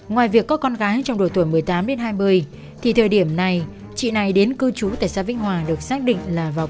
ngoài việc có con gái trong đội tuổi một mươi tám đến hai mươi thì thời điểm này chị này đến cư chú tại xa vĩnh hòa được xác định là một người đàn ông